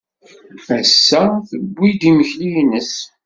Ass-a tewwi-d imekli-nnes.